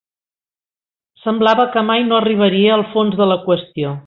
Semblava que mai no arribaria al fons de la qüestió.